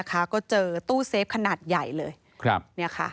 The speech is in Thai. ก็เจอตู้เซฟขนาดใหญ่เลย